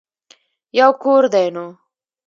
يو کور دی نو.